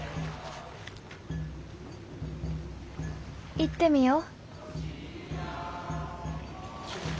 行ってみよう。